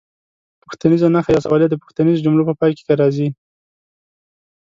پوښتنیزه نښه یا سوالیه د پوښتنیزو جملو په پای کې راځي.